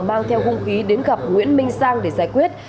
mang theo hung khí đến gặp nguyễn minh sang để giải quyết